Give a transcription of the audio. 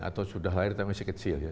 atau sudah lahir tapi masih kecil ya